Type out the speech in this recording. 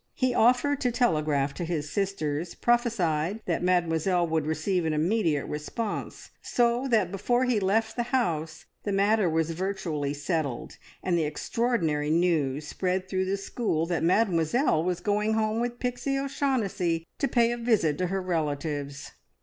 He offered to telegraph to his sisters, prophesied that Mademoiselle would receive an immediate response, so that before he left the house the matter was virtually settled, and the extraordinary news spread through the school that Mademoiselle was going home with Pixie O'Shaughnessy to pay a visit to her relatives.